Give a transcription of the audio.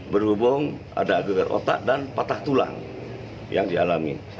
berhubung ada geger otak dan patah tulang yang dialami